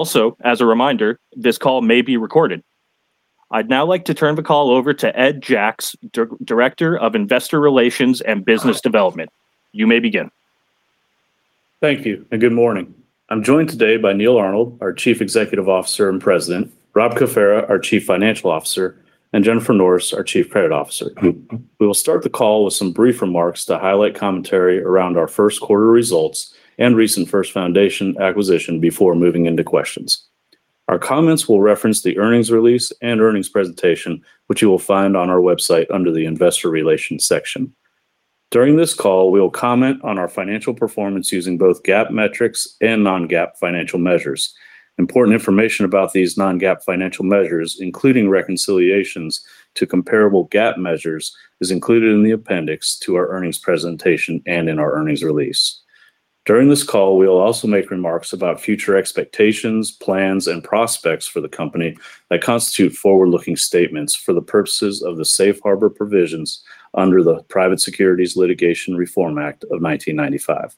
Also, as a reminder, this call may be recorded. I'd now like to turn the call over to Ed Jacks, Director of Investor Relations and Business Development. You may begin. Thank you, and good morning. I'm joined today by Neal Arnold, our Chief Executive Officer and President, Rob Cafera, our Chief Financial Officer, and Jennifer Norris, our Chief Credit Officer. We will start the call with some brief remarks to highlight commentary around our first quarter results and recent First Foundation acquisition before moving into questions. Our comments will reference the earnings release and earnings presentation, which you will find on our website under the Investor Relations section. During this call, we will comment on our financial performance using both GAAP metrics and non-GAAP financial measures. Important information about these non-GAAP financial measures, including reconciliations to comparable GAAP measures, is included in the appendix to our earnings presentation and in our earnings release. During this call, we will also make remarks about future expectations, plans, and prospects for the company that constitute forward-looking statements for the purposes of the Safe Harbor provisions under the Private Securities Litigation Reform Act of 1995.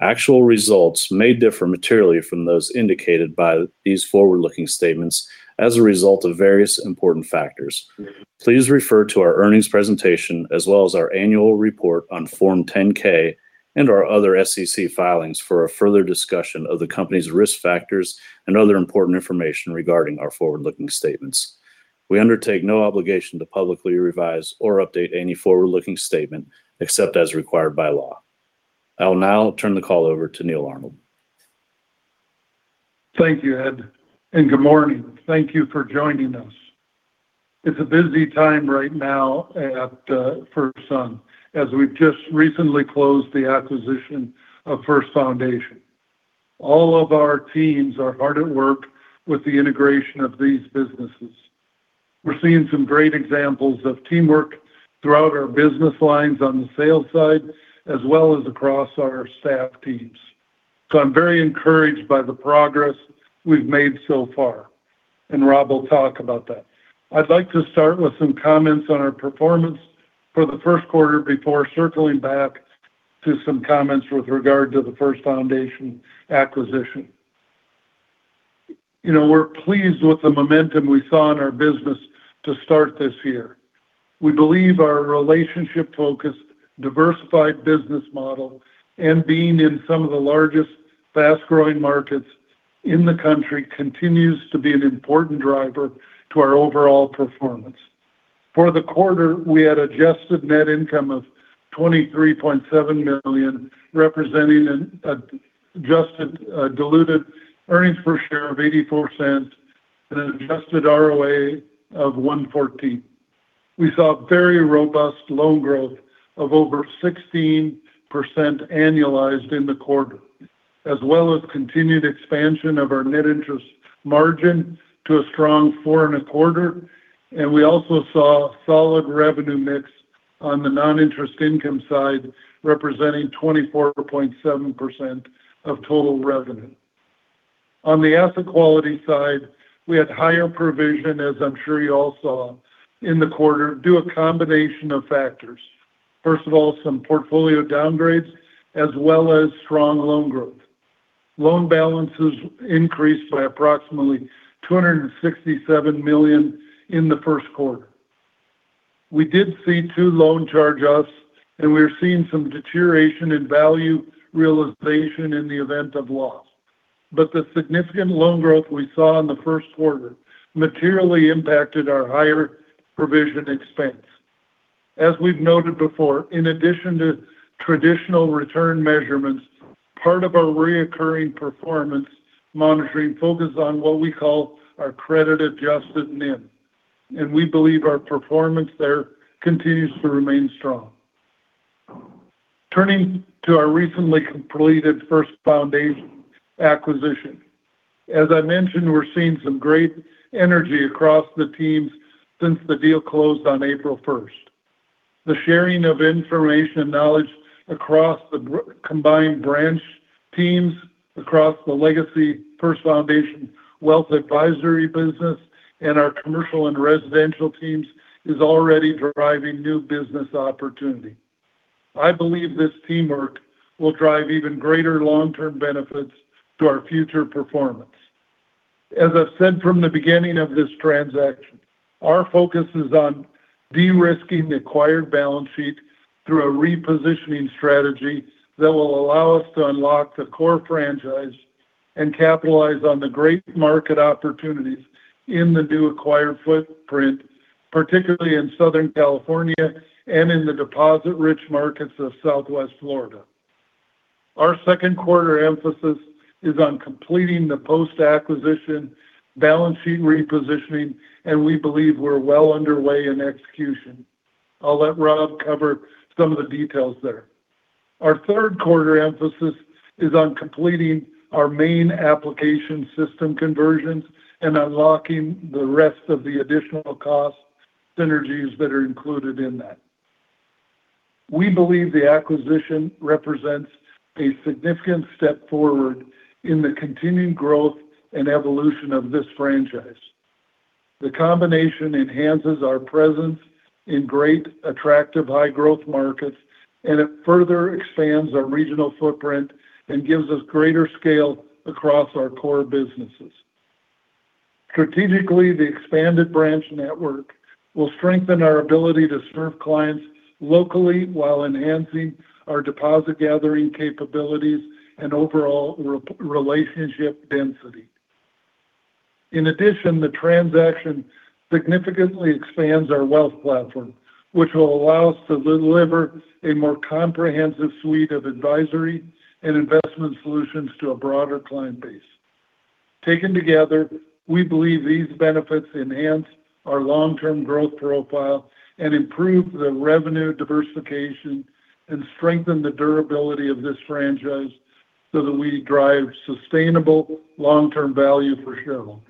Actual results may differ materially from those indicated by these forward-looking statements as a result of various important factors. Please refer to our earnings presentation as well as our annual report on Form 10-K and our other SEC filings for a further discussion of the company's risk factors and other important information regarding our forward-looking statements. We undertake no obligation to publicly revise or update any forward-looking statement except as required by law. I will now turn the call over to Neal Arnold. Thank you, Ed, and good morning. Thank you for joining us. It's a busy time right now at the FirstSun as we've just recently closed the acquisition of First Foundation. All of our teams are hard at work with the integration of these businesses. We're seeing some great examples of teamwork throughout our business lines on the sales side as well as across our staff teams. I'm very encouraged by the progress we've made so far, and Rob will talk about that. I'd like to start with some comments on our performance for the first quarter before circling back to some comments with regard to the First Foundation acquisition. You know, we're pleased with the momentum we saw in our business to start this year. We believe our relationship-focused, diversified business model and being in some of the largest fast-growing markets in the country continues to be an important driver to our overall performance. For the quarter, we had adjusted net income of $23.7 million, representing an adjusted diluted earnings per share of $0.84 and an adjusted ROA of 1.14%. We saw very robust loan growth of over 16% annualized in the quarter, as well as continued expansion of our Net Interest Margin to a strong 4.25%. We also saw solid revenue mix on the non-interest income side, representing 24.7% of total revenue. On the asset quality side, we had higher provision, as I'm sure you all saw, in the quarter due to a combination of factors. First of all, some portfolio downgrades as well as strong loan growth. Loan balances increased by approximately $267 million in the first quarter. We did see two loan charge-offs, and we're seeing some deterioration in value realization in the event of loss. The significant loan growth we saw in the first quarter materially impacted our higher provision expense. As we've noted before, in addition to traditional return measurements, part of our recurring performance monitoring focus on what we call our credit-adjusted NIM. We believe our performance there continues to remain strong. Turning to our recently completed First Foundation acquisition. As I mentioned, we're seeing some great energy across the teams since the deal closed on April 1st. The sharing of information and knowledge across the combined branch teams, across the legacy First Foundation wealth advisory business, and our commercial and residential teams is already driving new business opportunity. I believe this teamwork will drive even greater long-term benefits to our future performance. As I've said from the beginning of this transaction, our focus is on de-risking the acquired balance sheet through a repositioning strategy that will allow us to unlock the core franchise and capitalize on the great market opportunities in the new acquired footprint, particularly in Southern California and in the deposit-rich markets of Southwest Florida. Our second quarter emphasis is on completing the post-acquisition balance sheet repositioning, and we believe we're well underway in execution. I'll let Rob cover some of the details there. Our third quarter emphasis is on completing our main application system conversions and unlocking the rest of the additional cost synergies that are included in that. We believe the acquisition represents a significant step forward in the continued growth and evolution of this franchise. The combination enhances our presence in great, attractive high-growth markets, and it further expands our regional footprint and gives us greater scale across our core businesses. Strategically, the expanded branch network will strengthen our ability to serve clients locally while enhancing our deposit gathering capabilities and overall re-relationship density. In addition, the transaction significantly expands our wealth platform, which will allow us to deliver a more comprehensive suite of advisory and investment solutions to a broader client base. Taken together, we believe these benefits enhance our long-term growth profile and improve the revenue diversification and strengthen the durability of this franchise so that we drive sustainable long-term value for shareholders.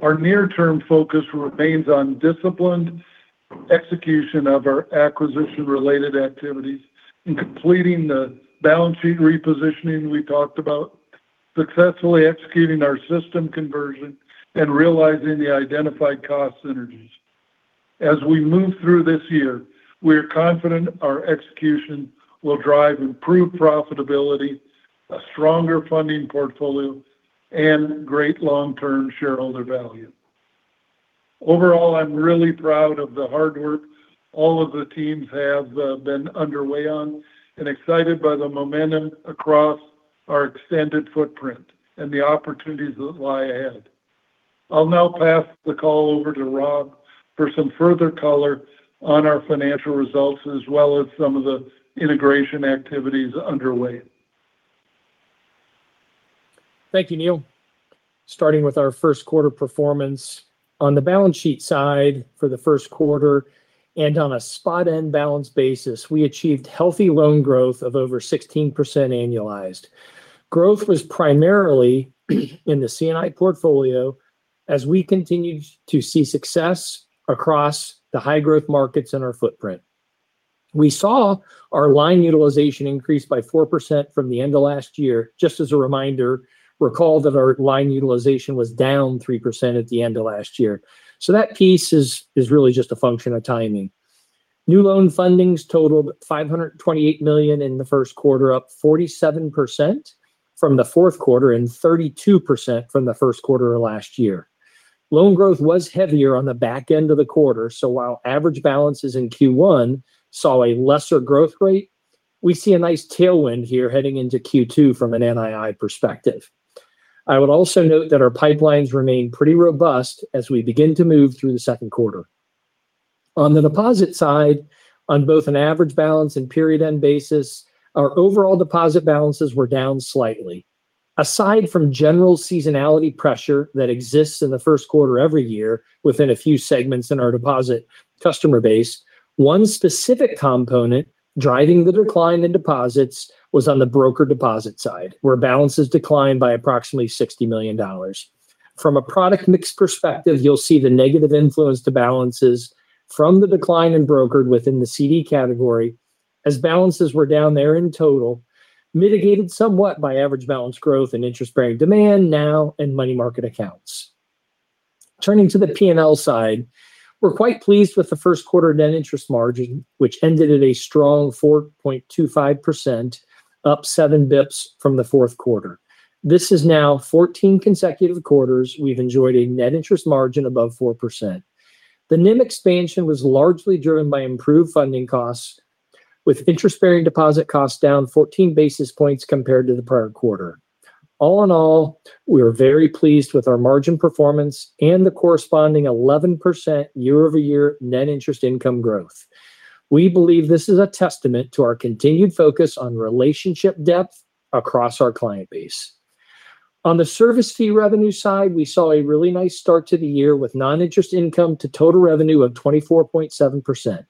Our near-term focus remains on disciplined execution of our acquisition-related activities, in completing the balance sheet repositioning we talked about, successfully executing our system conversion, and realizing the identified cost synergies. As we move through this year, we are confident our execution will drive improved profitability, a stronger funding portfolio, and great long-term shareholder value. Overall, I'm really proud of the hard work all of the teams have been underway on and excited by the momentum across our extended footprint and the opportunities that lie ahead. I'll now pass the call over to Rob for some further color on our financial results, as well as some of the integration activities underway. Thank you, Neal. Starting with our first quarter performance. On the balance sheet side for the first quarter and on a spot end balance basis, we achieved healthy loan growth of over 16% annualized. Growth was primarily in the C&I portfolio as we continued to see success across the high-growth markets in our footprint. We saw our line utilization increase by 4% from the end of last year. Just as a reminder, recall that our line utilization was down 3% at the end of last year. That piece is really just a function of timing. New loan fundings totaled $528 million in the first quarter, up 47% from the fourth quarter and 32% from the first quarter of last year. Loan growth was heavier on the back end of the quarter, so while average balances in Q1 saw a lesser growth rate, we see a nice tailwind here heading into Q2 from an NII perspective. I would also note that our pipelines remain pretty robust as we begin to move through the second quarter. On the deposit side, on both an average balance and period end basis, our overall deposit balances were down slightly. Aside from general seasonality pressure that exists in the first quarter every year within a few segments in our deposit customer base, one specific component driving the decline in deposits was on the broker deposit side, where balances declined by approximately $60 million. From a product mix perspective, you'll see the negative influence to balances from the decline in brokered within the CD category, as balances were down there in total, mitigated somewhat by average balance growth and interest-bearing demand now and money market accounts. Turning to the P&L side, we're quite pleased with the first quarter net interest margin, which ended at a strong 4.25%, up 7 basis points from the fourth quarter. This is now 14 consecutive quarters we've enjoyed a net interest margin above 4%. The NIM expansion was largely driven by improved funding costs, with interest-bearing deposit costs down 14 basis points compared to the prior quarter. All in all, we are very pleased with our margin performance and the corresponding 11% year-over-year net interest income growth. We believe this is a testament to our continued focus on relationship depth across our client base. On the service fee revenue side, we saw a really nice start to the year with non-interest income to total revenue of 24.7%.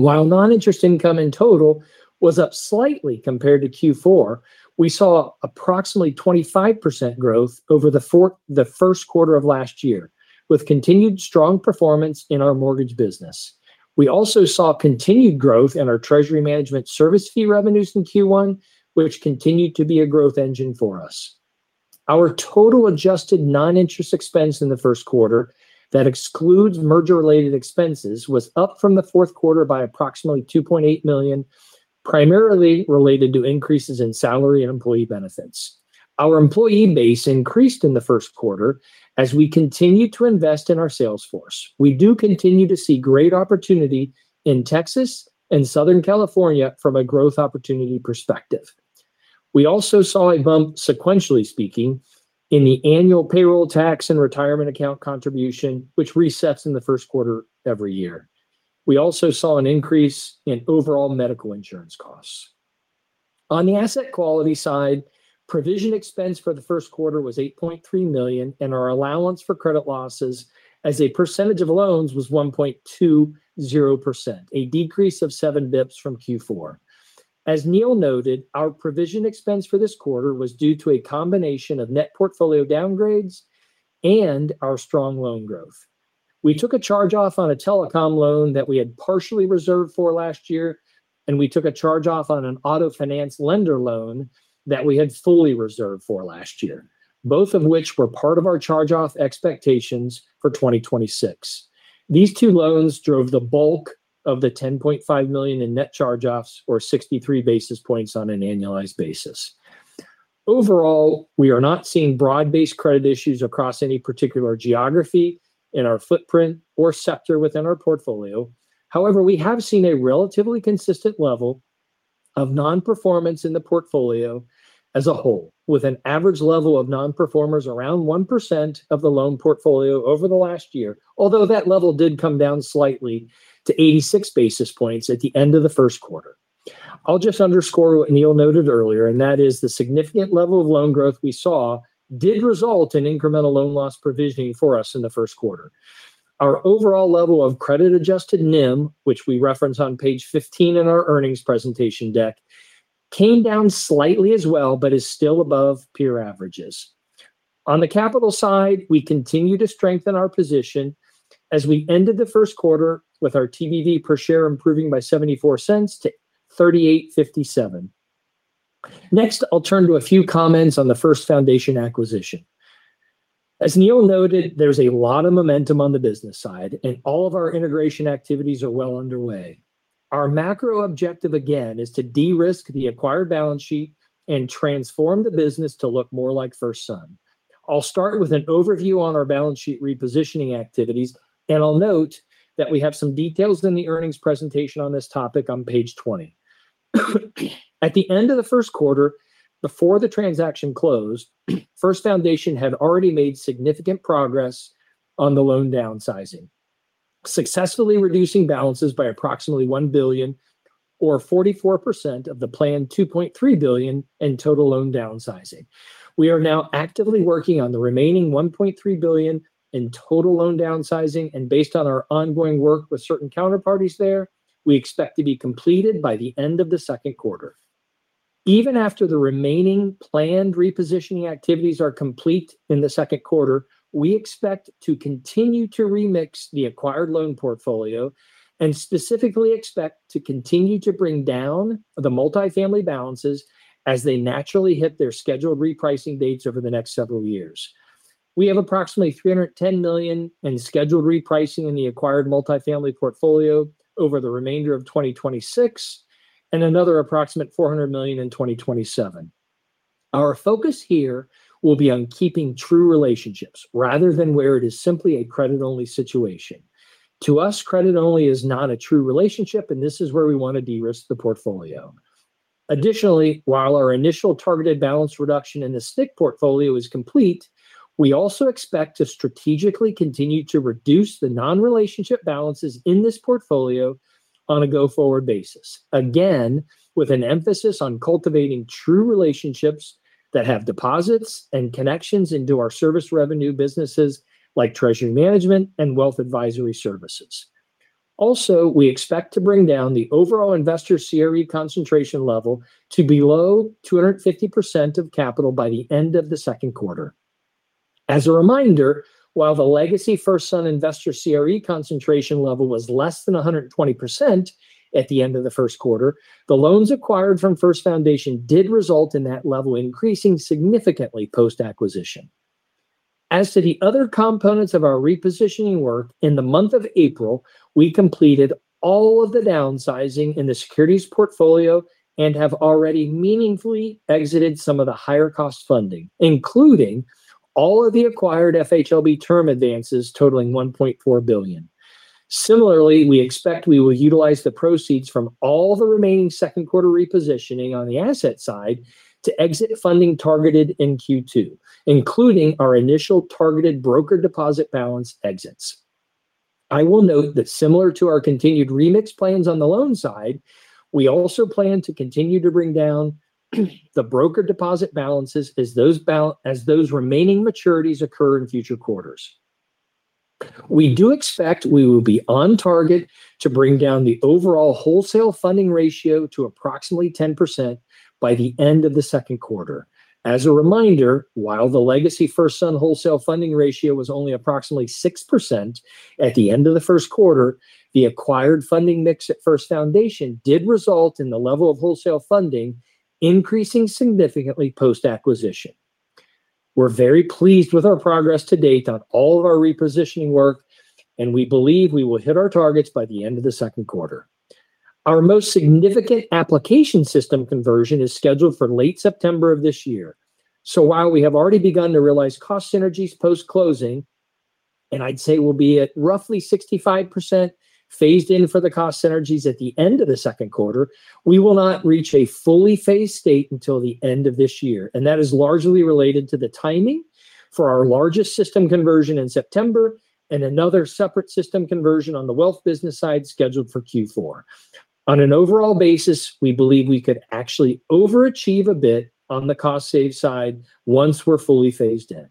While non-interest income in total was up slightly compared to Q4, we saw approximately 25% growth over the first quarter of last year, with continued strong performance in our mortgage business. We also saw continued growth in our treasury management service fee revenues in Q1, which continued to be a growth engine for us. Our total adjusted non-interest expense in the first quarter that excludes merger-related expenses was up from the fourth quarter by approximately $2.8 million, primarily related to increases in salary and employee benefits. Our employee base increased in the first quarter as we continued to invest in our sales force. We do continue to see great opportunity in Texas and Southern California from a growth opportunity perspective. We also saw a bump, sequentially speaking, in the annual payroll tax and retirement account contribution, which resets in the first quarter every year. We also saw an increase in overall medical insurance costs. On the asset quality side, provision expense for the first quarter was $8.3 million, and our allowance for credit losses as a percentage of loans was 1.20%, a decrease of 7 basis points from Q4. As Neal noted, our provision expense for this quarter was due to a combination of net portfolio downgrades and our strong loan growth. We took a charge-off on a telecom loan that we had partially reserved for last year, and we took a charge-off on an auto finance lender loan that we had fully reserved for last year, both of which were part of our charge-off expectations for 2026. These two loans drove the bulk of the $10.5 million in net charge-offs or 63 basis points on an annualized basis. Overall, we are not seeing broad-based credit issues across any particular geography in our footprint or sector within our portfolio. However, we have seen a relatively consistent level of non-performance in the portfolio as a whole, with an average level of non-performers around 1% of the loan portfolio over the last year. Although that level did come down slightly to 86 basis points at the end of the first quarter. I'll just underscore what Neal noted earlier, and that is the significant level of loan growth we saw did result in incremental loan loss provisioning for us in the first quarter. Our overall level of credit-adjusted NIM, which we reference on page 15 in our earnings presentation deck, came down slightly as well, but is still above peer averages. On the capital side, we continue to strengthen our position as we ended the first quarter with our TBV per share improving by $0.74 to $38.57. Next, I'll turn to a few comments on the First Foundation acquisition. As Neal noted, there's a lot of momentum on the business side, and all of our integration activities are well underway. Our macro objective, again, is to de-risk the acquired balance sheet and transform the business to look more like FirstSun. I'll start with an overview on our balance sheet repositioning activities, and I'll note that we have some details in the earnings presentation on this topic on page 20. At the end of the first quarter, before the transaction closed, First Foundation had already made significant progress on the loan downsizing, successfully reducing balances by approximately $1 billion or 44% of the planned $2.3 billion in total loan downsizing. We are now actively working on the remaining $1.3 billion in total loan downsizing, and based on our ongoing work with certain counterparties there, we expect to be completed by the end of the second quarter. Even after the remaining planned repositioning activities are complete in the second quarter, we expect to continue to remix the acquired loan portfolio and specifically expect to continue to bring down the multifamily balances as they naturally hit their scheduled repricing dates over the next several years. We have approximately $310 million in scheduled repricing in the acquired multifamily portfolio over the remainder of 2026 and another approximate $400 million in 2027. Our focus here will be on keeping true relationships rather than where it is simply a credit-only situation. To us, credit only is not a true relationship, and this is where we want to de-risk the portfolio. Additionally, while our initial targeted balance reduction in the STIC portfolio is complete, we also expect to strategically continue to reduce the non-relationship balances in this portfolio on a go-forward basis. Again, with an emphasis on cultivating true relationships that have deposits and connections into our service revenue businesses like treasury management and wealth advisory services. We expect to bring down the overall investor CRE concentration level to below 250% of capital by the end of the second quarter. As a reminder, while the legacy FirstSun investor CRE concentration level was less than 120% at the end of the first quarter, the loans acquired from First Foundation did result in that level increasing significantly post-acquisition. As to the other components of our repositioning work, in the month of April, we completed all of the downsizing in the securities portfolio and have already meaningfully exited some of the higher cost funding, including all of the acquired FHLB term advances totaling $1.4 billion. Similarly, we expect we will utilize the proceeds from all the remaining second quarter repositioning on the asset side to exit funding targeted in Q2, including our initial targeted broker deposit balance exits. I will note that similar to our continued remix plans on the loan side, we also plan to continue to bring down the broker deposit balances as those remaining maturities occur in future quarters. We do expect we will be on target to bring down the overall wholesale funding ratio to approximately 10% by the end of the second quarter. As a reminder, while the legacy FirstSun wholesale funding ratio was only approximately 6% at the end of the first quarter, the acquired funding mix at First Foundation did result in the level of wholesale funding increasing significantly post-acquisition. We're very pleased with our progress to date on all of our repositioning work, and we believe we will hit our targets by the end of the second quarter. Our most significant application system conversion is scheduled for late September of this year. While we have already begun to realize cost synergies post-closing, and I'd say we'll be at roughly 65% phased in for the cost synergies at the end of the second quarter, we will not reach a fully phased state until the end of this year. That is largely related to the timing for our largest system conversion in September and another separate system conversion on the wealth business side scheduled for Q4. On an overall basis, we believe we could actually overachieve a bit on the cost save side once we're fully phased in.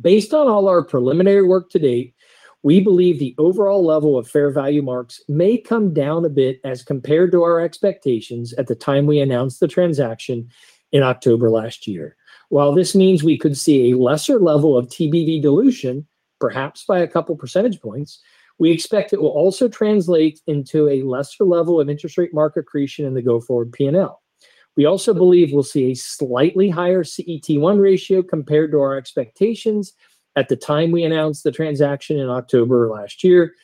Based on all our preliminary work to date, we believe the overall level of fair value marks may come down a bit as compared to our expectations at the time we announced the transaction in October last year. While this means we could see a lesser level of TBV dilution, perhaps by a couple percentage points. We expect it will also translate into a lesser level of interest rate market accretion in the go-forward P&L. We also believe we'll see a slightly higher CET1 ratio compared to our expectations at the time we announced the transaction in October of last year,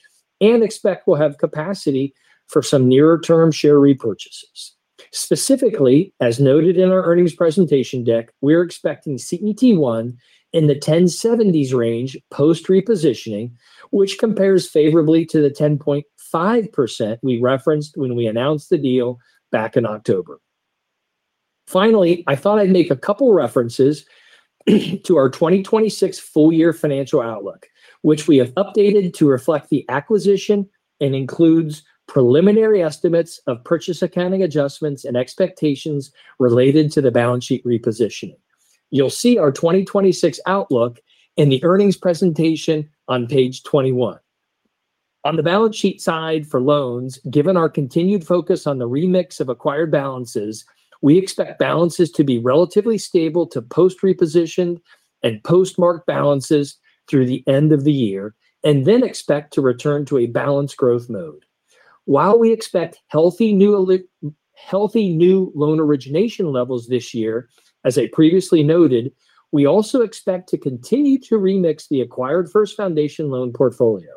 and expect we'll have capacity for some nearer term share repurchases. Specifically, as noted in our earnings presentation deck, we're expecting CET1 in the 10.70s range post repositioning, which compares favorably to the 10.5% we referenced when we announced the deal back in October. I thought I'd make a couple references to our 2026 full year financial outlook, which we have updated to reflect the acquisition and includes preliminary estimates of purchase accounting adjustments and expectations related to the balance sheet repositioning. You'll see our 2026 outlook in the earnings presentation on page 21. On the balance sheet side for loans, given our continued focus on the remix of acquired balances, we expect balances to be relatively stable to post reposition and postmark balances through the end of the year, then expect to return to a balanced growth mode. While we expect healthy new loan origination levels this year, as I previously noted, we also expect to continue to remix the acquired First Foundation loan portfolio.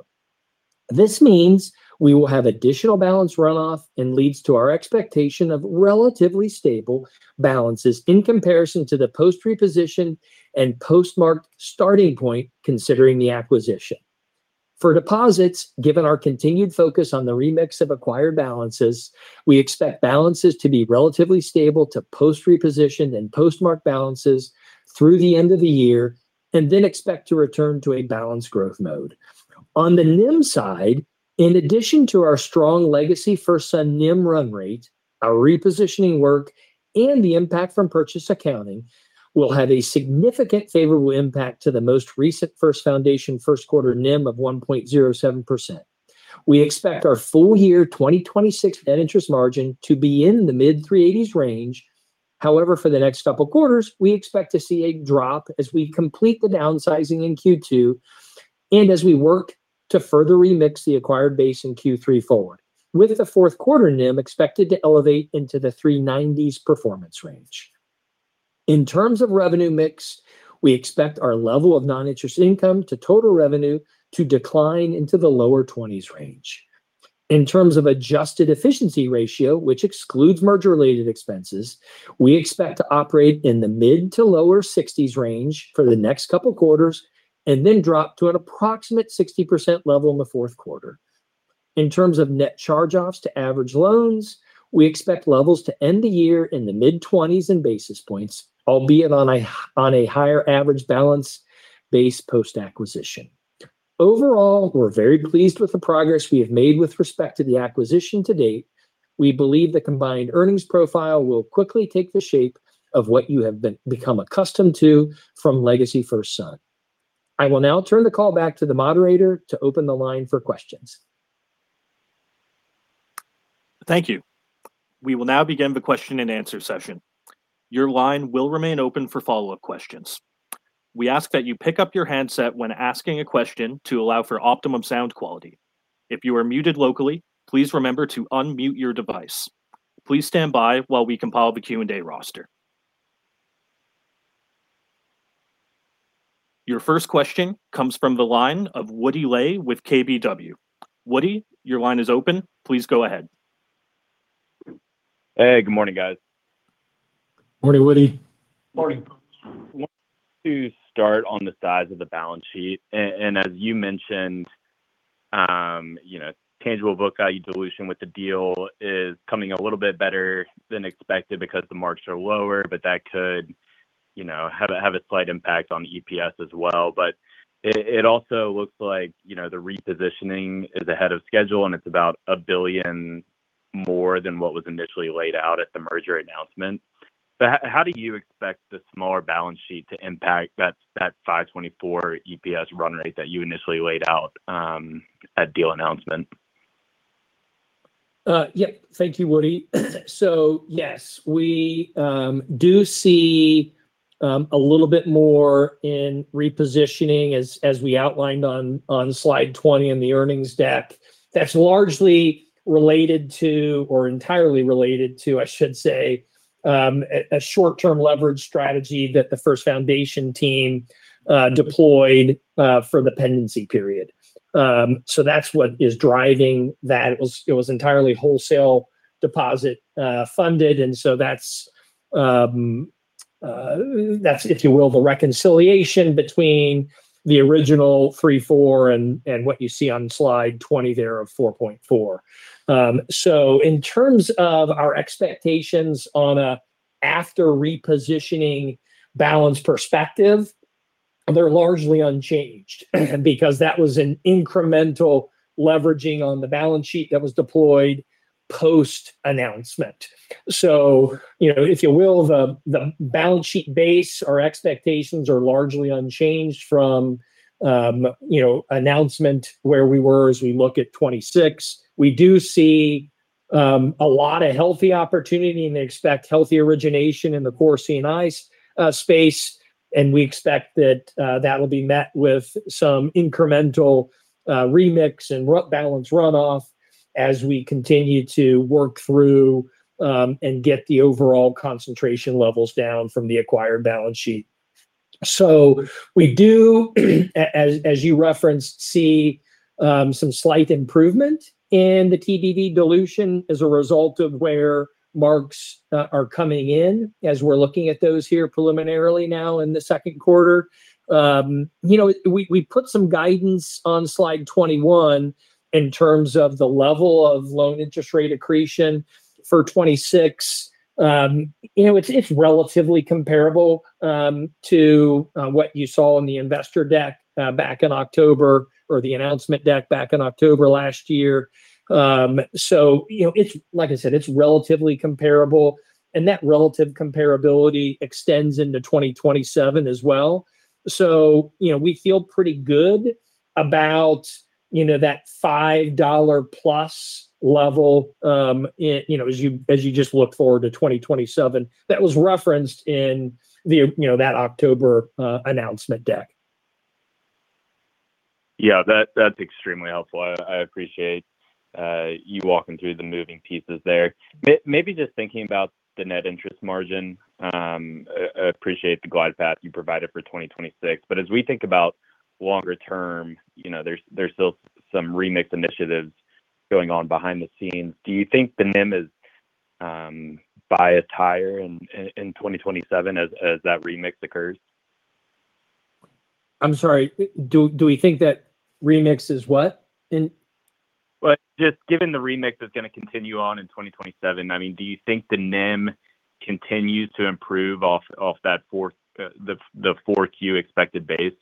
This means we will have additional balance runoff and leads to our expectation of relatively stable balances in comparison to the post reposition and postmarked starting point considering the acquisition. For deposits, given our continued focus on the remix of acquired balances, we expect balances to be relatively stable to post reposition and postmark balances through the end of the year, and then expect to return to a balanced growth mode. On the NIM side, in addition to our strong legacy FirstSun NIM run rate, our repositioning work and the impact from purchase accounting will have a significant favorable impact to the most recent First Foundation first quarter NIM of 1.07%. We expect our full year 2026 net interest margin to be in the mid-3.80s% range. For the next cup of quarters, we expect to see a drop as we complete the downsizing in Q2, as we work to further remix the acquired base in Q3 forward. With the 4th quarter NIM expected to elevate into the 390s performance range. In terms of revenue mix, we expect our level of non-interest income to total revenue to decline into the lower 20s range. In terms of adjusted efficiency ratio, which excludes merger related expenses, we expect to operate in the mid to lower 60s range for the next cup of quarters and then drop to an approximate 60% level in the 4th quarter. In terms of net charge-offs to average loans, we expect levels to end the year in the mid-20s basis points, albeit on a higher average balance base post-acquisition. Overall, we're very pleased with the progress we have made with respect to the acquisition to date. We believe the combined earnings profile will quickly take the shape of what you have been become accustomed to from legacy FirstSun. I will now turn the call back to the moderator to open the line for questions. Thank you. We will now begin the question and answer session. Your line will remain open for follow-up questions. We ask that you pick up your handset when asking a question to allow for optimum sound quality. If you are muted locally, please remember to unmute your device. Please stand by while we compile the Q&A roster. Your first question comes from the line of Woody Lay with KBW. Woody, your line is open. Please go ahead. Hey, good morning, guys. Morning, Woody. Morning. Want to start on the size of the balance sheet. As you mentioned, you know, tangible book value dilution with the deal is coming a little bit better than expected because the marks are lower, but that could, you know, have a slight impact on EPS as well. It also looks like, you know, the repositioning is ahead of schedule, and it's about $1 billion more than what was initially laid out at the merger announcement. How do you expect the smaller balance sheet to impact that 524 EPS run rate that you initially laid out at deal announcement? Yeah. Thank you, Woody. Yes, we do see a little bit more in repositioning as we outlined on slide 20 in the earnings deck. That's largely related to, or entirely related to, I should say, a short-term leverage strategy that the First Foundation team deployed for the pendency period. That's what is driving that. It was entirely wholesale deposit funded, that's, if you will, the reconciliation between the original 3.4 and what you see on slide 20 there of 4.4. In terms of our expectations on a after repositioning balance perspective, they're largely unchanged because that was an incremental leveraging on the balance sheet that was deployed post-announcement. You know, if you will, the balance sheet base, our expectations are largely unchanged from, you know, announcement where we were as we look at 2026. We do see a lot of healthy opportunity, they expect healthy origination in the core C&I's space. We expect that will be met with some incremental remix and balance runoff as we continue to work through and get the overall concentration levels down from the acquired balance sheet. We do as you referenced, see some slight improvement in the TDD dilution as a result of where marks are coming in as we're looking at those here preliminarily now in the second quarter. You know, we put some guidance on slide 21 in terms of the level of loan interest rate accretion for 2026. You know, it's relatively comparable to what you saw in the investor deck back in October, or the announcement deck back in October last year. You know, like I said, it's relatively comparable, and that relative comparability extends into 2027 as well. You know, we feel pretty good about, you know, that $5+ level, as you just look forward to 2027. That was referenced in that October announcement deck. Yeah. That's extremely helpful. I appreciate you walking through the moving pieces there. Maybe just thinking about the Net Interest Margin. Appreciate the glide path you provided for 2026. As we think about longer term, you know, there's still some remix initiatives going on behind the scenes. Do you think the NIM is bias higher in 2027 as that remix occurs? I'm sorry. Do we think that remix is what in? Well, just given the remix is gonna continue on in 2027. I mean, do you think the NIM continues to improve off that fourth, the 4Q expected base?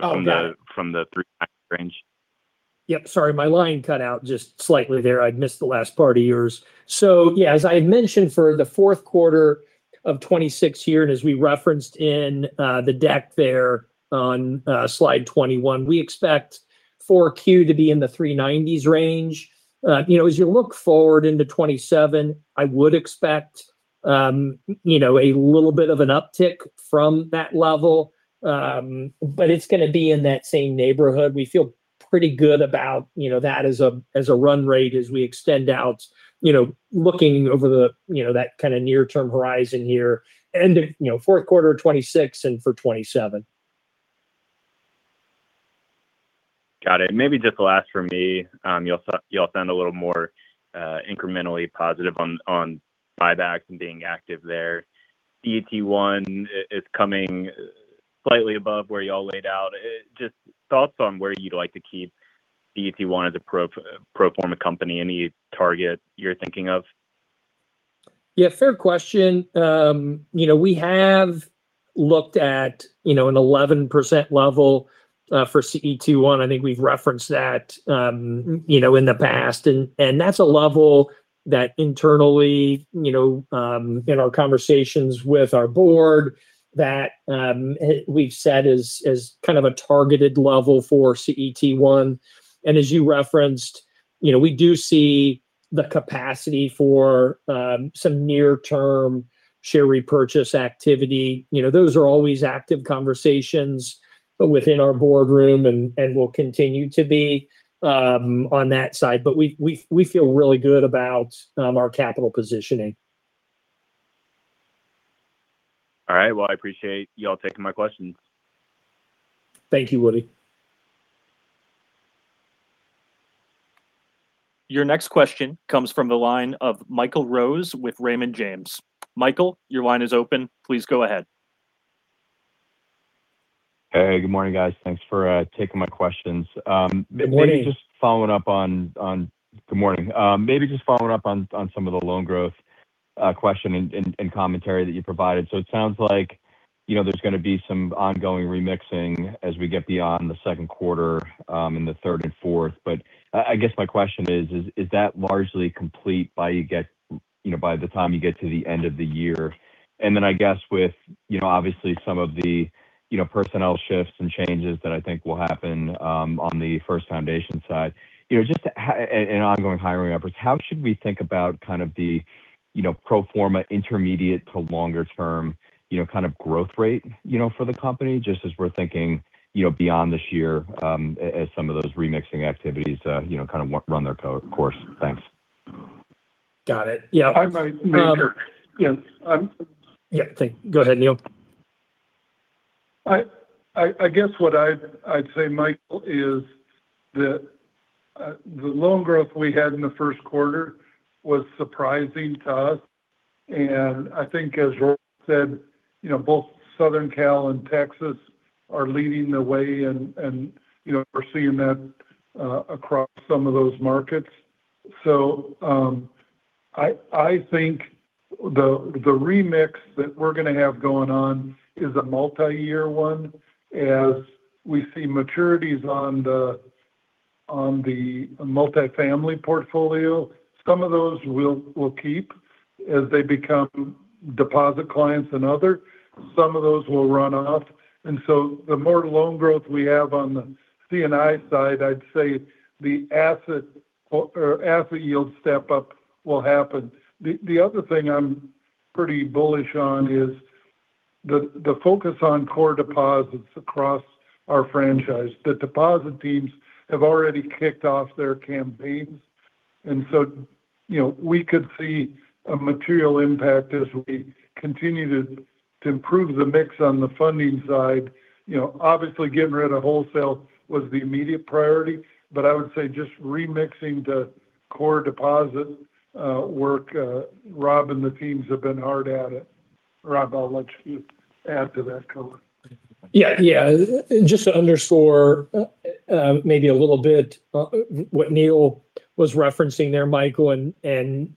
Oh, yeah. From the three range? Yep, sorry. My line cut out just slightly there. I missed the last part of yours. Yeah, as I mentioned for the fourth quarter of 2026 here, and as we referenced in the deck there on slide 21, we expect four Q to be in the 390s range. You know, as you look forward into 2027, I would expect, you know, a little bit of an uptick from that level. It's gonna be in that same neighborhood. We feel pretty good about, you know, that as a, as a run rate as we extend out, you know, looking over the, you know, that kind of near-term horizon here, end of, you know, fourth quarter 2026 and for 2027. Got it. Maybe just the last from me. You all sound a little more incrementally positive on buybacks and being active there. CET1 is coming slightly above where you all laid out. Just thoughts on where you'd like to keep CET1 as a pro forma company. Any target you're thinking of? Yeah, fair question. You know, we have looked at, you know, an 11% level for CET1. I think we've referenced that, you know, in the past. That's a level that internally, you know, in our conversations with our board that we've set as kind of a targeted level for CET1. As you referenced, you know, we do see the capacity for some near-term share repurchase activity. You know, those are always active conversations within our boardroom and will continue to be on that side. We feel really good about our capital positioning. All right. Well, I appreciate you all taking my questions. Thank you, Woody. Your next question comes from the line of Michael Rose with Raymond James. Michael, your line is open. Please go ahead. Hey, good morning, guys. Thanks for taking my questions. Good morning. Maybe just following up on. Good morning. Maybe just following up on some of the loan growth question and commentary that you provided. It sounds like, you know, there's gonna be some ongoing remixing as we get beyond the second quarter in the third and fourth. I guess my question is that largely complete by you get, you know, by the time you get to the end of the year? I guess with, you know, obviously some of the, you know, personnel shifts and changes that I think will happen on the First Foundation side. You know, just in ongoing hiring efforts, how should we think about kind of the, you know, pro forma intermediate to longer term, you know, kind of growth rate, you know, for the company, just as we're thinking, you know, beyond this year, as some of those remixing activities, you know, kind of run their course? Thanks. Got it. Yeah. I might- Um- Yeah. Yeah. Go ahead, Neal. I guess what I'd say, Michael, is that the loan growth we had in the first quarter was surprising to us. I think as [Rob] said, you know, both Southern Cal and Texas are leading the way, and, you know, we're seeing that across some of those markets. I think the remix that we're gonna have going on is a multi-year one as we see maturities on the multifamily portfolio. Some of those we'll keep as they become deposit clients and other, some of those will run off. The more loan growth we have on the C&I side, I'd say the asset or asset yield step up will happen. The other thing I'm pretty bullish on is the focus on core deposits across our franchise. The deposit teams have already kicked off their campaigns. You know, we could see a material impact as we continue to improve the mix on the funding side. You know, obviously getting rid of wholesale was the immediate priority. I would say just remixing the core deposit work, Rob and the teams have been hard at it. Rob, I'll let you add to that color. Yeah, yeah. Just to underscore, maybe a little bit, what Neal was referencing there, Michael, and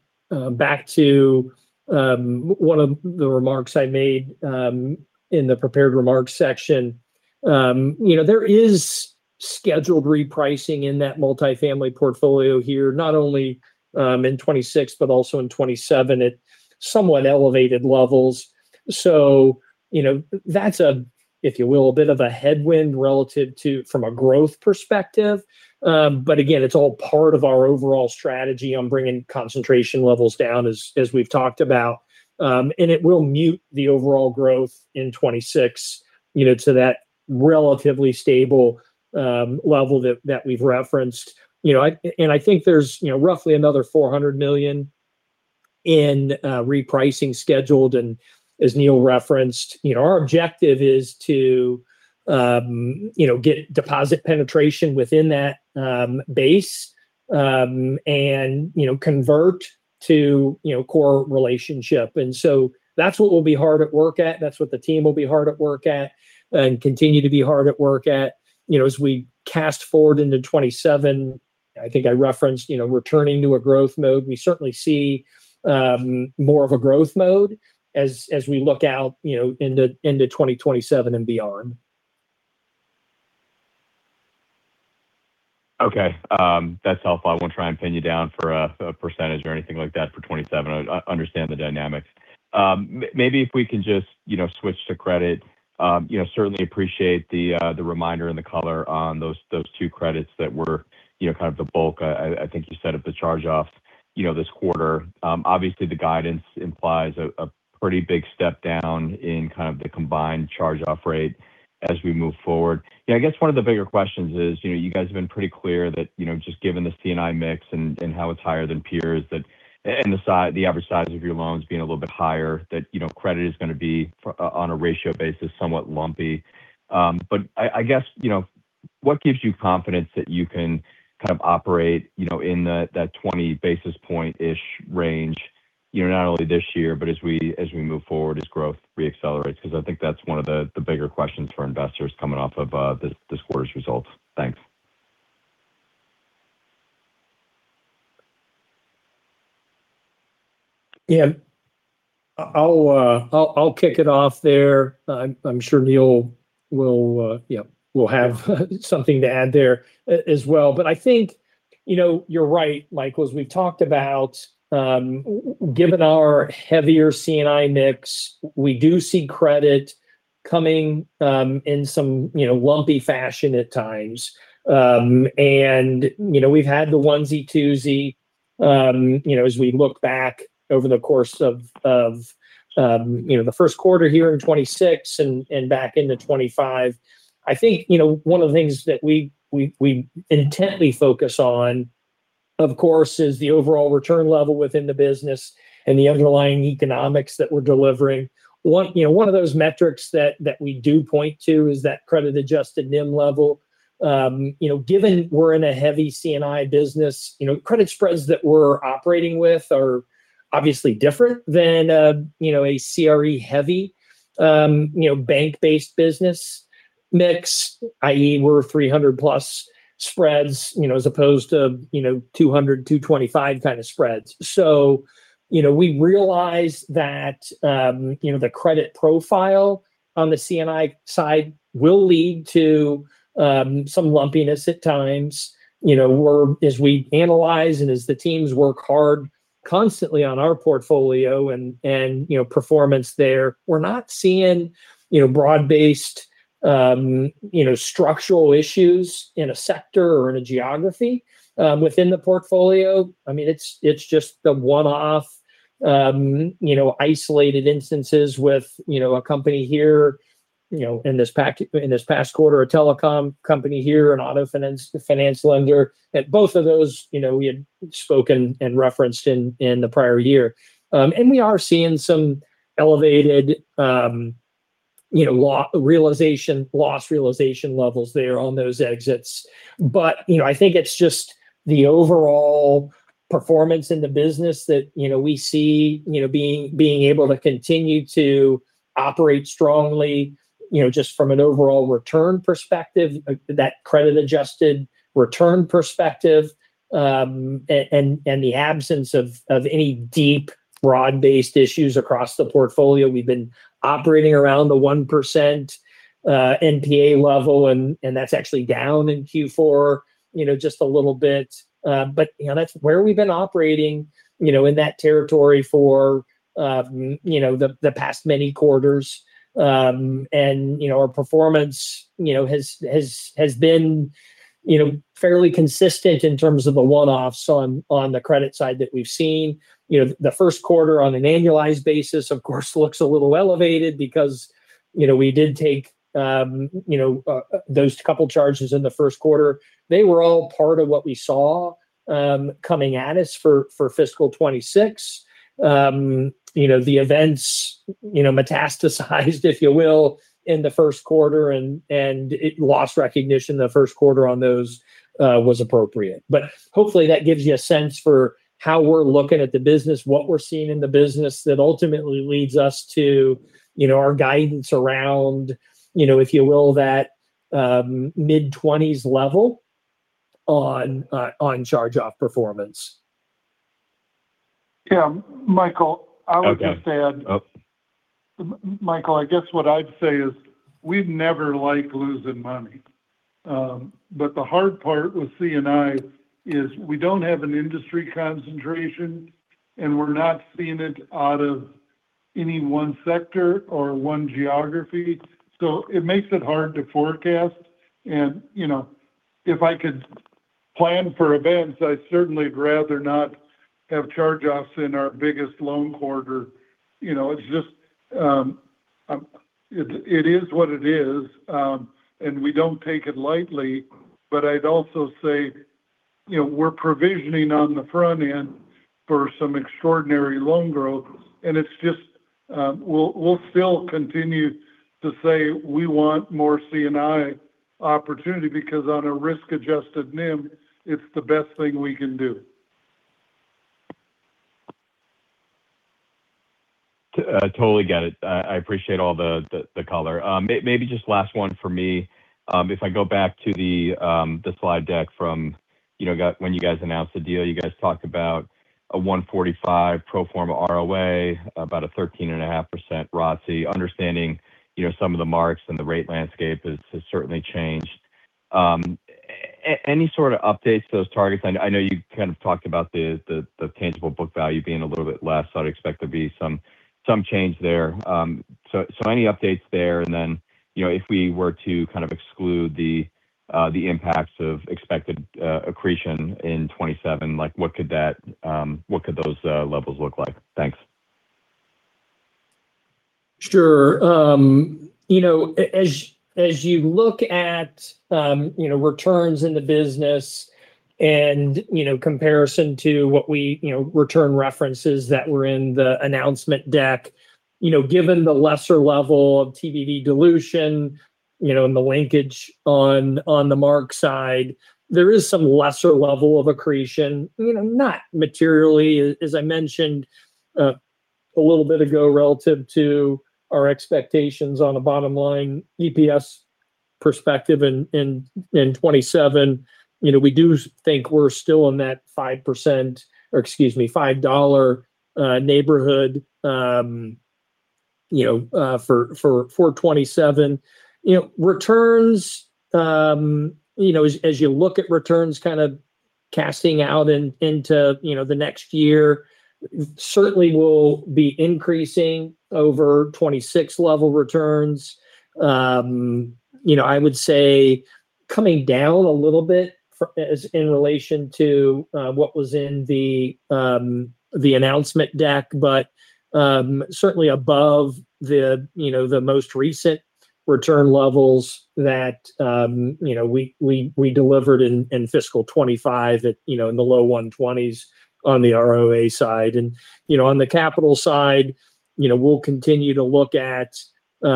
back to one of the remarks I made in the prepared remarks section. You know, there is scheduled repricing in that multifamily portfolio here, not only in 2026, but also in 2027 at somewhat elevated levels. You know, that's a, if you will, a bit of a headwind relative to from a growth perspective. Again, it's all part of our overall strategy on bringing concentration levels down as we've talked about. It will mute the overall growth in 2026, you know, to that relatively stable level that we've referenced. You know, I think there's, you know, roughly another $400 million in repricing scheduled. As Neal referenced, you know, our objective is to, you know, get deposit penetration within that base and, you know, convert to, you know, core relationship. That's what we'll be hard at work at, that's what the team will be hard at work at, and continue to be hard at work at, you know, as we cast forward into 2027. I think I referenced, you know, returning to a growth mode. We certainly see more of a growth mode as we look out, you know, into 2027 and beyond. Okay. That's helpful. I won't try and pin you down for a percentage or anything like that for 2027. I understand the dynamics. Maybe if we can just, you know, switch to credit. You know, certainly appreciate the reminder and the color on those two credits that were, you know, kind of the bulk, I think you said, of the charge-offs, you know, this quarter. Obviously the guidance implies a pretty big step down in kind of the combined charge-off rate as we move forward. I guess one of the bigger questions is, you know, you guys have been pretty clear that, you know, just given the C&I mix and how it's higher than peers, that and the average size of your loans being a little bit higher, that, you know, credit is gonna be on a ratio basis somewhat lumpy. I guess, you know, what gives you confidence that you can kind of operate, you know, in that 20 basis point-ish range, you know, not only this year, but as we move forward as growth re-accelerates? I think that's one of the bigger questions for investors coming off of this quarter's results. Thanks. Yeah. I'll kick it off there. I'm sure Neal will have something to add there as well. I think, you know, you're right, Michael. As we've talked about, given our heavier C&I mix, we do see credit coming in some, you know, lumpy fashion at times. We've had the onesie, twosie, you know, as we look back over the course of, you know, the first quarter here in 2026 and back into 2025. I think, you know, one of the things that we intently focus on, of course, is the overall return level within the business and the underlying economics that we're delivering. One of those metrics that we do point to is that credit-adjusted NIM level. Given we're in a heavy C&I business, you know, credit spreads that we're operating with are obviously different than, you know, a CRE heavy, you know, bank-based business mix, i.e., we're 300+ spreads, you know, as opposed to, you know, 200, 225 kind of spreads. You know, we realize that, you know, the credit profile on the C&I side will lead to some lumpiness at times. You know, as we analyze and as the teams work hard constantly on our portfolio and, you know, performance there. We're not seeing, you know, broad-based, you know, structural issues in a sector or in a geography within the portfolio. I mean, it's just the one-off, you know, isolated instances with, you know, a company here, in this past quarter, a telecom company here, an auto finance lender. Both of those, you know, we had spoken and referenced in the prior year. We are seeing some elevated, you know, loss realization levels there on those exits. I think it's just the overall performance in the business that, you know, we see, you know, being able to continue to operate strongly, you know, just from an overall return perspective, that credit-adjusted return perspective, and the absence of any deep broad-based issues across the portfolio. We've been operating around the 1% NPA level and that's actually down in Q4, you know, just a little bit. But, you know, that's where we've been operating, you know, in that territory for, you know, the past many quarters. You know, our performance, you know, has been, you know, fairly consistent in terms of the one-offs on the credit side that we've seen. You know, the first quarter on an annualized basis, of course, looks a little elevated because, you know, we did take, you know, those couple charges in the first quarter. They were all part of what we saw coming at us for fiscal 2026. You know, the events, you know, metastasized if you will, in the first quarter and it lost recognition the first quarter on those was appropriate. Hopefully, that gives you a sense for how we're looking at the business, what we're seeing in the business that ultimately leads us to, you know, our guidance around, you know, if you will, that mid-20s level on charge-off performance. Yeah. Michael, I would just add. Okay. Oh. Michael, I guess what I'd say is we've never liked losing money. The hard part with C&I is we don't have an industry concentration, and we're not seeing it out of any one sector or one geography. It makes it hard to forecast. You know, if I could plan for events, I certainly would rather not have charge-offs in our biggest loan quarter. You know, it's just, it is what it is. We don't take it lightly. I'd also say, you know, we're provisioning on the front end for some extraordinary loan growth. It's just, we'll still continue to say we want more C&I opportunity because on a risk-adjusted NIM, it's the best thing we can do. Totally get it. I appreciate all the color. Maybe just last one for me. If I go back to the slide deck from, you know, when you guys announced the deal. You guys talked about a 1.45 pro forma ROA, about a 13.5% ROTSE. Understanding, you know, some of the marks and the rate landscape has certainly changed. Any sort of updates to those targets? I know you kind of talked about the tangible book value being a little bit less. I'd expect there'd be some change there. Any updates there? You know, if we were to kind of exclude the impacts of expected accretion in 2027, like, what could that, what could those levels look like? Thanks. Sure. You know, as you look at, you know, returns in the business and, you know, comparison to what we, you know, return references that were in the announcement deck. You know, given the lesser level of TBV dilution, you know, and the linkage on the mark side, there is some lesser level of accretion. You know, not materially, as I mentioned a little bit ago relative to our expectations on the bottom line EPS perspective in 2027. You know, we do think we're still in that 5% or, excuse me, $5 neighborhood, you know, for 2027. You know, returns, you know, as you look at returns kind of casting out into, you know, the next year certainly will be increasing over 2026 level returns. You know, I would say coming down a little bit as in relation to what was in the announcement deck, but certainly above the, you know, the most recent return levels that, you know, we delivered in fiscal 2025 at, you know, in the low 120s on the ROA side. You know, on the capital side, you know, we'll continue to look at, you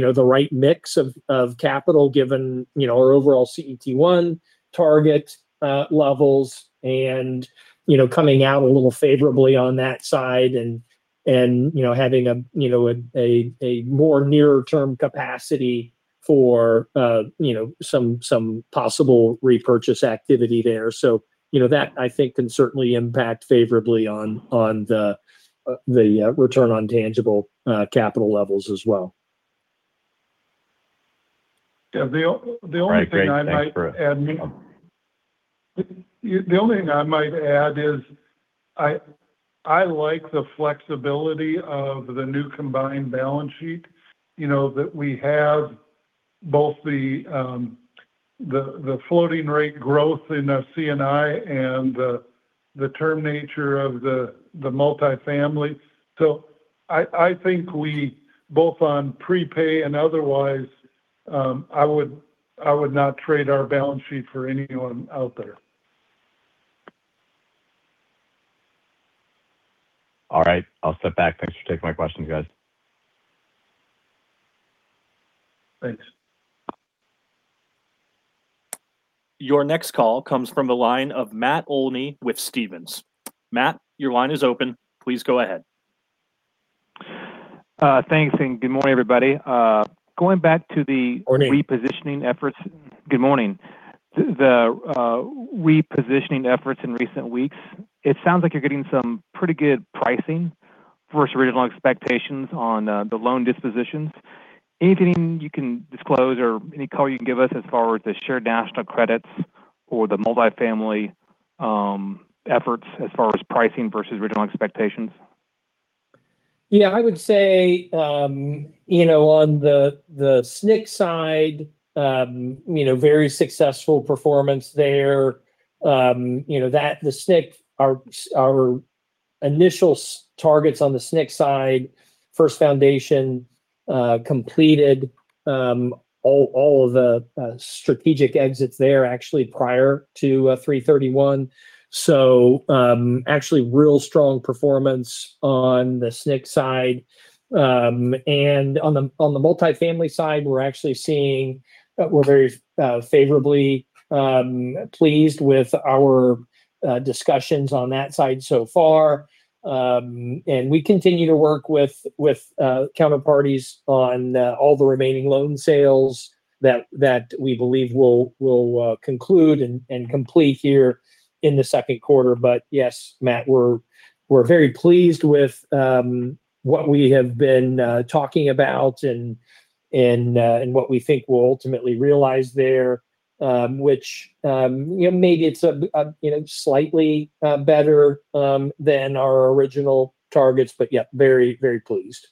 know, the right mix of capital given, you know, our overall CET1 target levels and, you know, coming out a little favorably on that side and, you know, having a, you know, a more nearer term capacity for, you know, some possible repurchase activity there. You know, that I think can certainly impact favorably on the return on tangible capital levels as well. Yeah. The only thing I might add. All right. Great. Thanks, [Rob]. The only thing I might add is I like the flexibility of the new combined balance sheet. You know, that we have both the floating rate growth in the C&I and the term nature of the multifamily. I think we both on prepay and otherwise, I would not trade our balance sheet for anyone out there. All right, I'll step back. Thanks for taking my questions, guys. Thanks. Your next call comes from the line of Matt Olney with Stephens. Matt, your line is open. Please go ahead. Thanks, and good morning, everybody. Morning. Going back to the repositioning efforts. Good morning. The repositioning efforts in recent weeks, it sounds like you're getting some pretty good pricing versus original expectations on the loan dispositions. Anything you can disclose or any color you can give us as far as the Shared National Credits or the multifamily efforts as far as pricing versus original expectations? I would say, you know, on the SNC side, you know, very successful performance there. You know, that, the SNC, our initial targets on the SNC side, First Foundation completed all of the strategic exits there actually prior to 331. Actually real strong performance on the SNC side. On the multifamily side, we're very favorably pleased with our discussions on that side so far. We continue to work with counterparties on all the remaining loan sales that we believe will conclude and complete here in the second quarter. Yes, Matt, we're very pleased with what we have been talking about and what we think we'll ultimately realize there. Which, you know, maybe it's a, you know, slightly better than our original targets. Yeah, very pleased.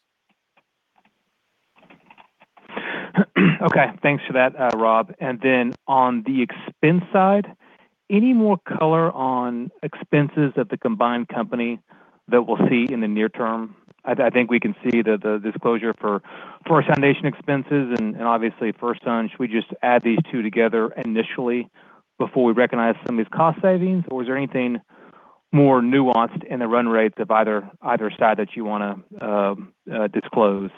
Okay. Thanks for that, Rob. Then on the expense side, any more color on expenses at the combined company that we'll see in the near term? I think we can see the disclosure for First Foundation expenses and obviously FirstSun. Should we just add these two together initially before we recognize some of these cost savings, or is there anything more nuanced in the run rates of either side that you wanna disclose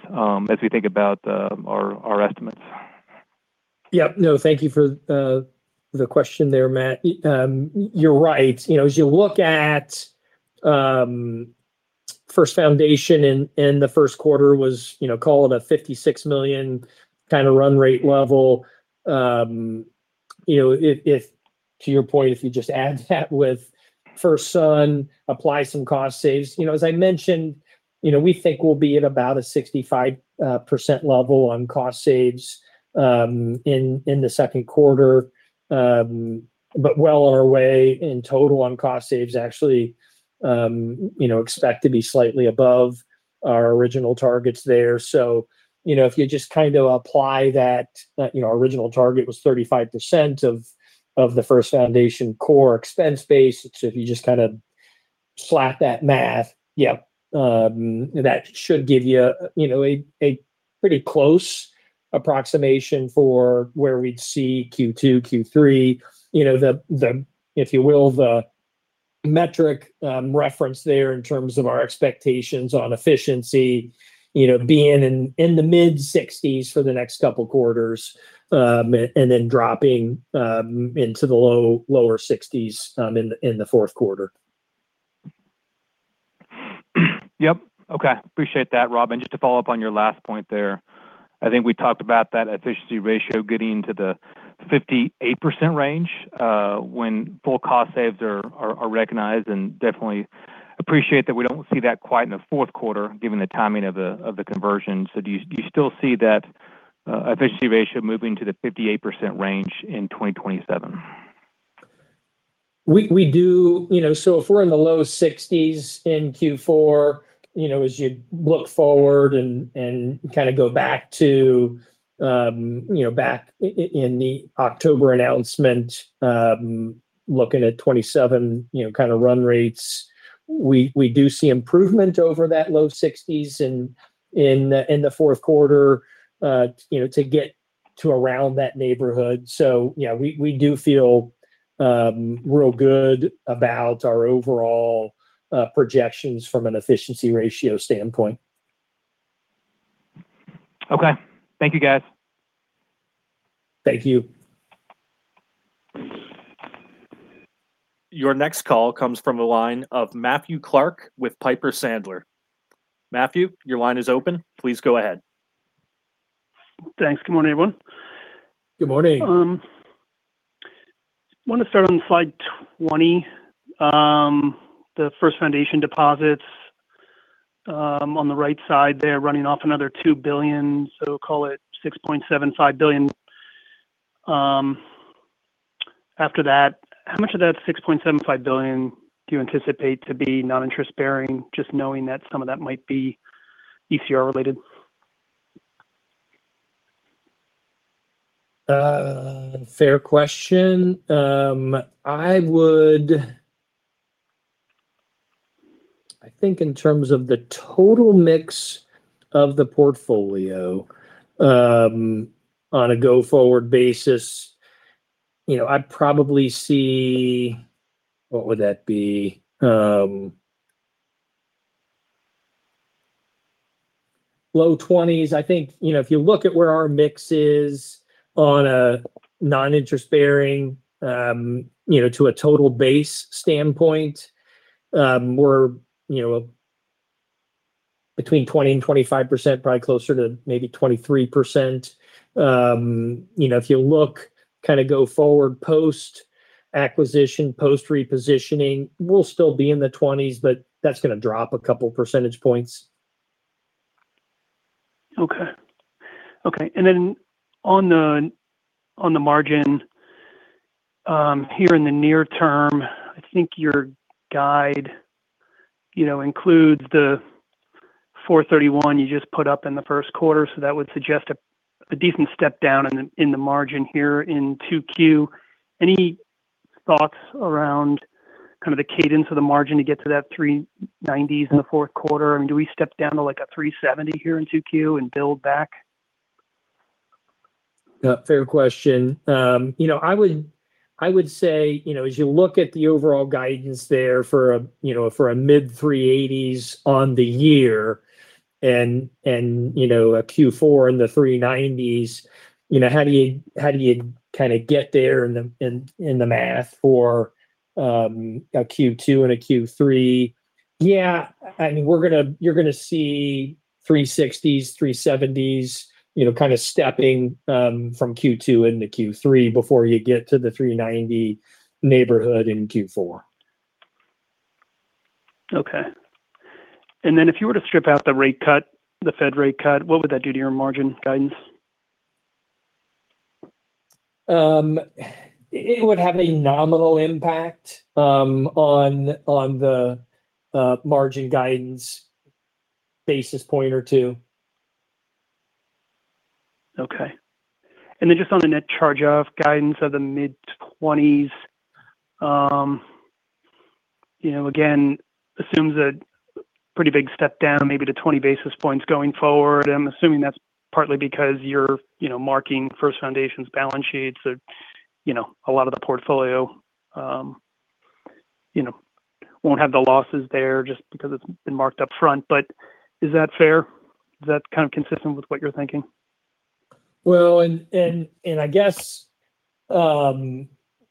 as we think about our estimates? Yeah, no, thank you for the question there, Matt. You're right. You know, as you look at First Foundation in the first quarter was, you know, call it a $56 million kind of run rate level. You know, to your point, if you just add that with FirstSun, apply some cost saves. You know, as I mentioned, you know, we think we'll be at about a 65% level on cost saves in the second quarter. Well on our way in total on cost saves. Actually, you know, expect to be slightly above our original targets there. You know, if you just kind of apply that. You know, our original target was 35% of the First Foundation core expense base. If you just kind of slap that math, yeah, that should give you know, a pretty close approximation for where we'd see Q2, Q3. The, the, if you will, the metric reference there in terms of our expectations on efficiency, being in the mid-60s for the next cup of quarters, and then dropping into the lower 60s in the fourth quarter. Yep. Okay. Appreciate that, Rob. Just to follow up on your last point there, I think we talked about that efficiency ratio getting to the 58% range when full cost saves are recognized. Definitely appreciate that we don't see that quite in the fourth quarter given the timing of the conversion. Do you still see that efficiency ratio moving to the 58% range in 2027? We do. You know, if we're in the low 60s in Q4, you know, as you look forward and kind of go back to, you know, back in the October announcement, looking at 2027, you know, kind of run rates, we do see improvement over that low 60s in the fourth quarter, you know, to get to around that neighborhood. Yeah, we do feel real good about our overall projections from an efficiency ratio standpoint. Okay. Thank you, guys. Thank you. Your next call comes from the line of Matthew Clark with Piper Sandler. Matthew, your line is open. Please go ahead. Thanks. Good morning, everyone. Good morning. Want to start on slide 20. The First Foundation deposits on the right side there running off another $2 billion, so we'll call it $6.75 billion. After that, how much of that $6.75 billion do you anticipate to be non-interest bearing, just knowing that some of that might be ECR related? Fair question. I would I think in terms of the total mix of the portfolio, on a go-forward basis. You know, I probably see, what would that be? Low 20s. I think, you know, if you look at where our mix is on a non-interest bearing, you know, to a total base standpoint, we're, you know, between 20% and 25%, probably closer to maybe 23%. You know, if you look, kind of go forward post-acquisition, post-repositioning, we'll still be in the 20s, but that's gonna drop a couple percentage points. Okay. Okay. On the, on the margin, here in the near term, I think your guide, you know, includes the 4.31% you just put up in the 1Q, so that would suggest a decent step down in the margin here in 2Q. Any thoughts around kind of the cadence of the margin to get to that 3.90s in the 4Q? I mean, do we step down to like a 3.70% here in 2Q and build back? Yeah, fair question. you know, I would say, you know, as you look at the overall guidance there for a mid 380s on the year and a Q4 in the 390s, you know, how do you kind of get there in the math for a Q2 and a Q3? Yeah, I mean, you're gonna see 360s, 370s, you know, kind of stepping from Q2 into Q3 before you get to the 390 neighborhood in Q4. Okay. Then if you were to strip out the rate cut, the Fed rate cut, what would that do to your margin guidance? It would have a nominal impact on the margin guidance basis point or two. Just on a net charge-off guidance of the mid-20s, you know, again, assumes a pretty big step down maybe to 20 basis points going forward. I'm assuming that's partly because you're, you know, marking First Foundation's balance sheets or, you know, a lot of the portfolio. You know, won't have the losses there just because it's been marked up front. Is that fair? Is that kind of consistent with what you're thinking? Well, I guess,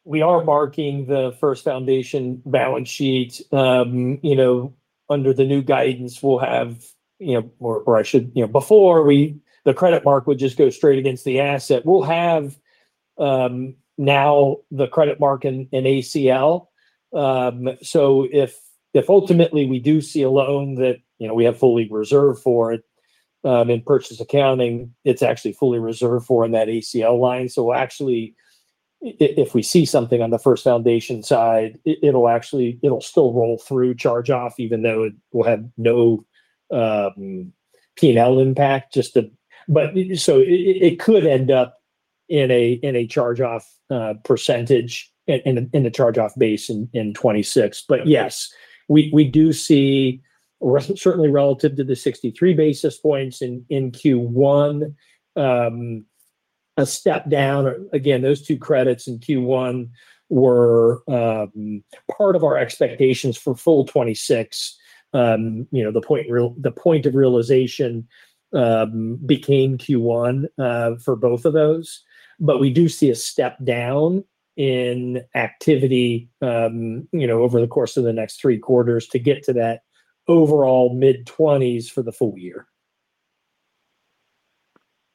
we are marking the First Foundation balance sheet. You know, under the new guidance, we'll have, you know, or I should. You know, the credit mark would just go straight against the asset. We'll have now the credit mark in ACL. So if ultimately we do see a loan that, you know, we have fully reserved for it, in purchase accounting, it's actually fully reserved for in that ACL line. Actually if we see something on the First Foundation side, it'll actually, it'll still roll through charge-off even though it will have no P&L impact. So it could end up in a charge-off percentage in the charge-off base in 2026. Yes, we do see re- certainly relative to the 63 basis points in Q1, a step down. Again, those two credits in Q1 were, part of our expectations for full 2026. You know, the point of realization, became Q1, for both of those. We do see a step down in activity, you know, over the course of the next three quarters to get to that overall mid-20s for the full year.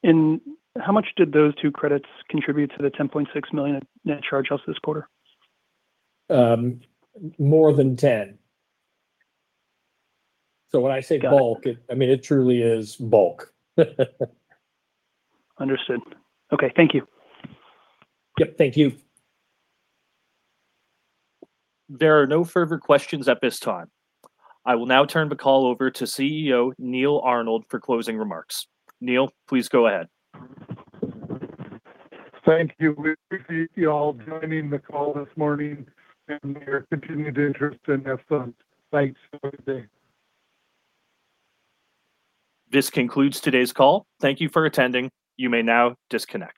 How much did those two credits contribute to the $10.6 million net charge-offs this quarter? More than 10. Got it. I mean, it truly is bulk. Understood. Okay, thank you. Yep, thank you. There are no further questions at this time. I will now turn the call over to CEO, Neal Arnold, for closing remarks. Neal, please go ahead. Thank you. We appreciate you all joining the call this morning and your continued interest in FSUN. Thanks. Have a good day. This concludes today's call. Thank you for attending. You may now disconnect.